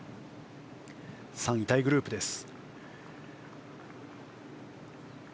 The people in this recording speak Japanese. ３位タイグループです。